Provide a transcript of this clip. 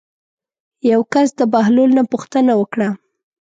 یو کس د بهلول نه پوښتنه وکړه.